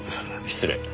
失礼。